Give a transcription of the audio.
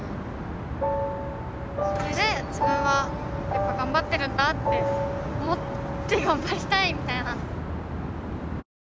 それで自分はやっぱ頑張ってるんだって思って頑張りたいみたいな。